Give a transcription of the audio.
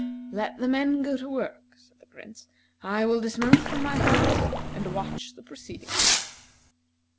"Let the men go to work," said the Prince. "I will dismount from my horse, and watch the proceedings."